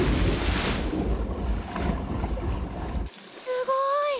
すごい。